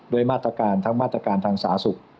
ด้วยมาตรการทั้งมาตรการทางสาศุกร์